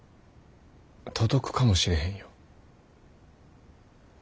届くかもしれへんよ。